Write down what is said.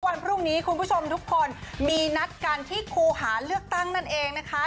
วันพรุ่งนี้คุณผู้ชมทุกคนมีนัดกันที่ครูหาเลือกตั้งนั่นเองนะคะ